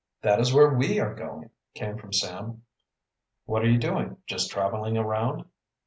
"That is where we are going," came from Sam. "What are you doing just traveling around?"